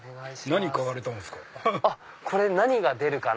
何買われたんですか？